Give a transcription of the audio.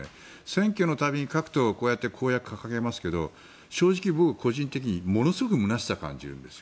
選挙の度に各党がこうやって公約を掲げますけれど正直、個人的にものすごく空しさを感じるんです。